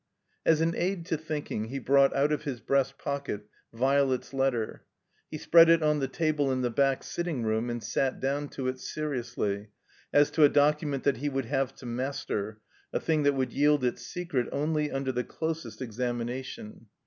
As an aid to thinking he brought out of his breast pocket Violet's letter. He spread it on the table in the back sitting room and sat down to it, seriously, as to a doctunent that he would have to master, a thing that would 3deld its secret only tmder the dosest examination.